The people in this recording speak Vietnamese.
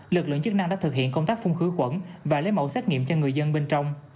lực lượng chức năng đã thực hiện công tác phun khử khuẩn và lấy mẫu xét nghiệm cho người dân bên trong